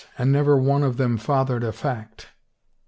And never one of them fathered a fact."